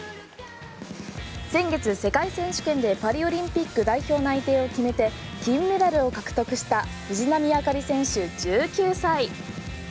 先月、世界選手権でパリオリンピック代表内定を決めて金メダルを獲得した藤波朱理選手、１９歳。